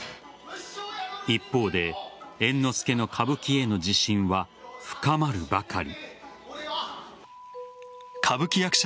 一方で猿之助の歌舞伎への自信は深まるばかり。